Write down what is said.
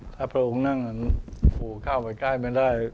ถ้าพระองค์นั่งอย่างนั้นภูเข้าไปใกล้ไม่ได้